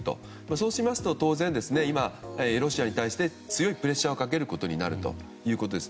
そうしますと当然今、ロシアに対して強いプレッシャーをかけることになるということです。